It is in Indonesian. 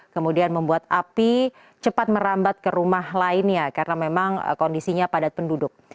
kemudian membuat api cepat merambat ke rumah lainnya karena memang kondisinya padat penduduk